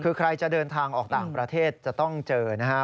คือใครจะเดินทางออกต่างประเทศจะต้องเจอนะครับ